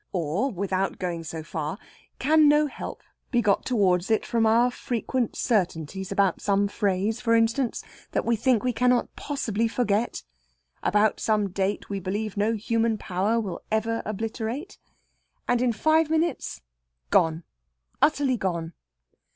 Or, without going so far, can no help be got towards it from our frequent certainties about some phrase (for instance) that we think we cannot possibly forget? about some date that we believe no human power will ever obliterate? And in five minutes gone utterly gone!